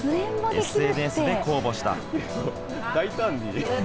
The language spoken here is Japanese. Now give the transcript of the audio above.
ＳＮＳで公募した。